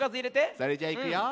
それじゃいくよ。